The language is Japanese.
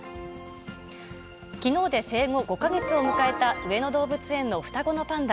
きのうで生後５か月を迎えた上野動物園の双子のパンダ。